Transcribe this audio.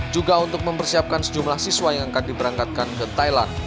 juga untuk mempersiapkan sejumlah siswa yang akan diberangkatkan ke thailand